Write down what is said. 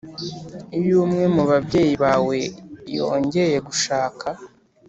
Iyo Umwe Mu Babyeyi Bawe Yongeye Gushaka